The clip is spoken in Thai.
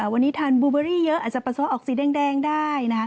วันนี้ทานบูเบอรี่เยอะอาจจะปัสสาวะออกสีแดงได้